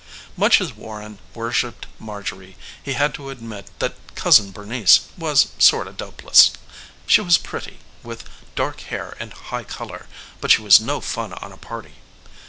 Much as Warren worshipped Marjorie he had to admit that Cousin Bernice was sorta dopeless. She was pretty, with dark hair and high color, but she was no fun on a party.